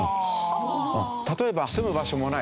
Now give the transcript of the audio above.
例えば「住む場所もない」。